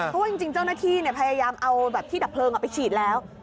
เพราะว่าจริงเจ้าหน้าที่พยายามเอาแบบที่ดับเพลิงไปฉีดแล้ว